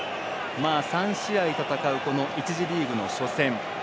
３試合、戦う、１次リーグの初戦。